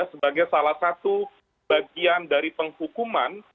sebagai salah satu bagian dari penghukuman